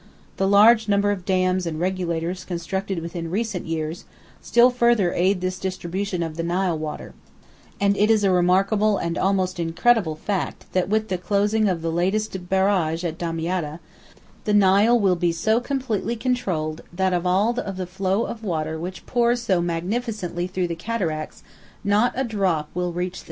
The large number of dams and regulators constructed within recent years still further aid this distribution of the Nile water, and it is a remarkable and almost incredible fact that with the closing of the latest barrage at Damietta, the Nile will be so completely controlled that of all the flow of water which pours so magnificently through the cataracts not a drop will reach the sea!